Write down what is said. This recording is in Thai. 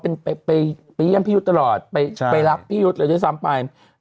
เป็นไปเยี่ยมพี่ยุทธ์ตลอดไปรับพี่ยุทธ์เลยด้วยซ้ำไป